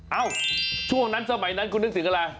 เอ้าช่วงนั้นสมัยนั้นคุณนึกถึงอะไร